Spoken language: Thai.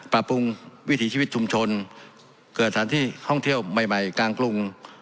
ปรับปรุงวิถีชีวิตชุมชนเกิดสถานที่ท่องเที่ยวใหม่กลางกรุง